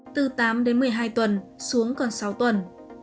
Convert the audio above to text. từ tám đến một mươi hai tuần xuống còn sáu tuần